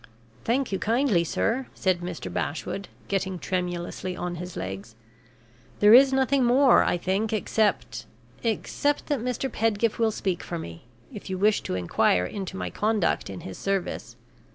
"Thank you kindly, sir," said Mr. Bashwood, getting tremulously on his legs. "There is nothing more, I think, except except that Mr. Pedgift will speak for me, if you wish to inquire into my conduct in his service.